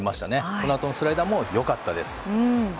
このあとのスライダーもよかったです。